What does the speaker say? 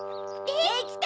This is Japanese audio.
できた！